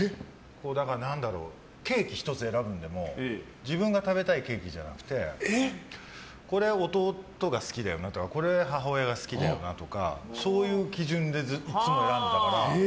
ケーキ１つ選ぶのでも自分が食べたいケーキじゃなくてこれは弟が好きだよなとかこれは母親が好きだよなとかそういう基準でいつも選んでたから。